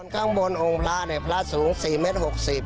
ข้างบนองค์พระเนี่ยพระสูง๔เมตร๖๐